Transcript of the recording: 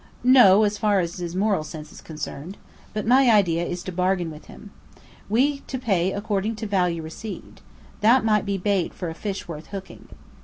"No, as far as his moral sense is concerned. But my idea is to bargain with him. We to pay according to value received. That might be bait for a fish worth hooking."